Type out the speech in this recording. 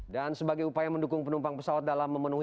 dan sebagai upaya mendukung penumpang pesawat dalam memperbaiki